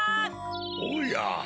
おや。